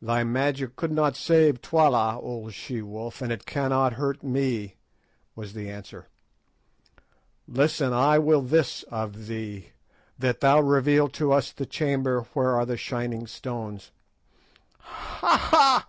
"Thy magic could not save Twala, old she wolf, and it cannot hurt me," was the answer. "Listen; I will this of thee, that thou reveal to us the chamber where are the shining stones." "Ha! ha!"